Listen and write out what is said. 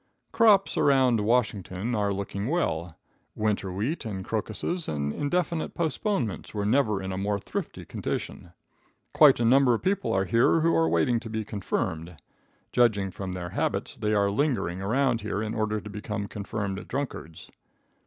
Crops around Washington are looking well. Winter wheat, crocusses and indefinite postponements were never in a more thrifty condition. Quite a number of people are here who are waiting to be confirmed. Judging from their habits, they are lingering around here in order to become confirmed drunkards.